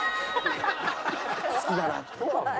好きだなって。